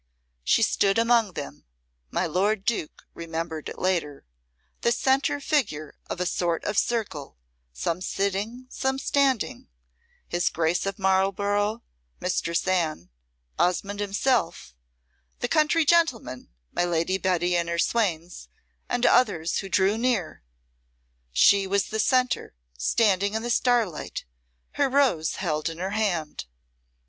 She stood among them my lord Duke remembered it later the centre figure of a sort of circle, some sitting, some standing his Grace of Marlborough, Mistress Anne, Osmonde himself, the country gentlemen, my Lady Betty and her swains, and others who drew near. She was the centre, standing in the starlight, her rose held in her hand.